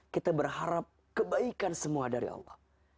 kita berharap kebaikan semua dari allah